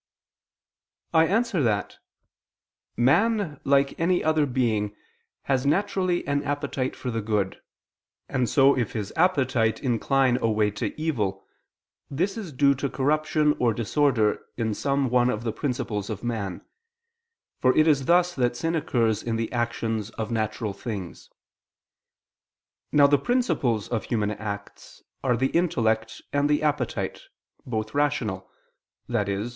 I answer that, Man like any other being has naturally an appetite for the good; and so if his appetite incline away to evil, this is due to corruption or disorder in some one of the principles of man: for it is thus that sin occurs in the actions of natural things. Now the principles of human acts are the intellect, and the appetite, both rational (i.e.